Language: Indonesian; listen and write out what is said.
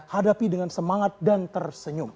hadapi dengan semangat dan tersenyum